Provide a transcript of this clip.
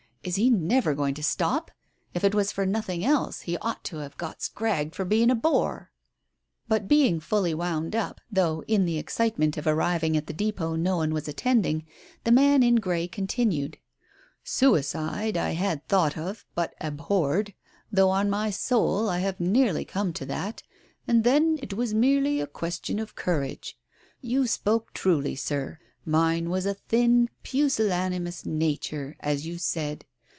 "Is he never going to stop ? If it was for nothing else, he ought to have got scragged for being a bore !" But being fully wound up, though in the excitement of arriving at the depdt no one was attending, the man in grey continued, "Suicide I had thought of, but abhorred, though on my soul I had nearly come to that, and then it was merely a question of courage — you spoke truly, Sir. Mine was a thin, pusillanimous nature, as you said.